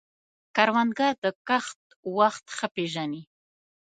کروندګر د کښت وخت ښه پېژني